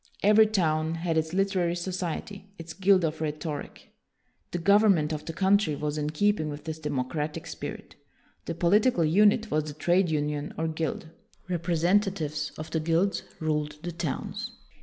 Every town had its literary society, its guild of rhetoric. The government of the country was in keeping with this democratic spirit. The political unit was the trade union or guild. Representatives of the guilds ruled the towns.